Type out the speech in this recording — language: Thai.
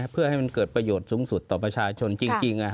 เพื่อให้มันเกิดประโยชน์สูงสุดต่อประชาชนจริง